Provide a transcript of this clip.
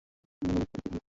নীরবতা তাকে ছেয়ে ফেলে।